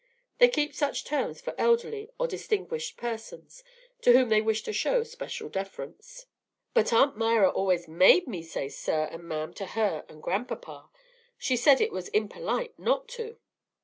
They keep such terms for elderly or distinguished persons, to whom they wish to show special deference." "But Aunt Myra always made me say 'sir' and 'ma'am' to her and grandpapa. She said it was impolite not to."